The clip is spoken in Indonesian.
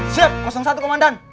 siap satu komandan